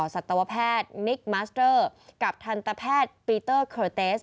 สัตวแพทย์นิกมัสเตอร์กับทันตแพทย์ปีเตอร์เคอร์เตส